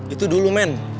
itu dulu men